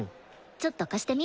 ちょっと貸してみ。